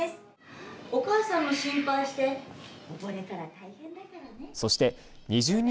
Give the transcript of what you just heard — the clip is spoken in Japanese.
お母さんも心配して溺れたら大変だからね。